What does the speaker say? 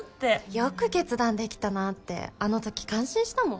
よく決断できたなってあのとき感心したもん。